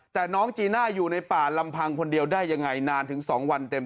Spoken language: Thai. แต่น้องจีน่าอยู่ในป่าลำพังคนเดียวได้ยังไงนานถึง๒วันเต็ม